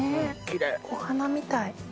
お花みたい。